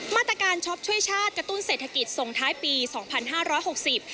มาตรการช็อปช่วยชาติกระตุ้นเศรษฐกิจส่งท้ายปีสองพันห้าร้อยหกสิบ